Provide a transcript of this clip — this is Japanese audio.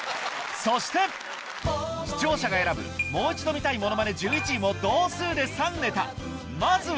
そして視聴者が選ぶもう一度見たいものまね１１位も同数で３ネタまずは